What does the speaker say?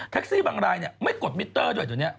แท็กซี่บางรายเนี่ยไม่กดมิตเตอร์จนเนี่ย